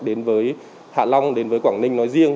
đến với hạ long quảng ninh nói riêng